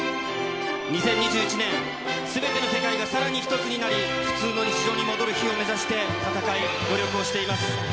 ２０２１年、すべての世界がさらに一つになり、普通の日常に戻る日を目指して闘い、努力をしています。